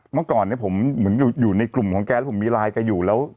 เมื่อก่อนผมอยู่ในกลุ่มของแกแล้วผมมีไลน์แกอยู่